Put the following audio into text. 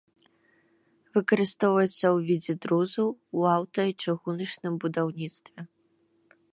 Выкарыстоўваецца ў відзе друзу ў аўта- і чыгуначным будаўніцтве.